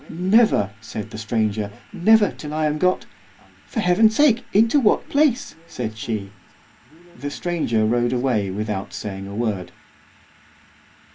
—never! said the stranger, never till I am got—For Heaven's sake, into what place? said she——The stranger rode away without saying a word.